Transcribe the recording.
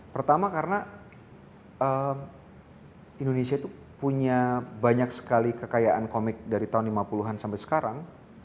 pertama karena indonesia itu punya banyak sekali kekayaan komik dari tahun lima puluh an sampai sekarang